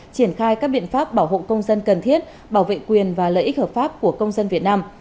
triển khai các biện pháp bảo hộ công dân cần thiết bảo vệ quyền và lợi ích hợp pháp của công dân việt nam